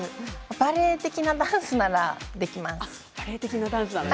バレエ的なダンスができます。